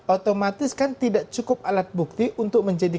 otomatis kan tidak cukup alat bukti untuk menjelaskan itu